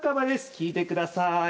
聴いてください。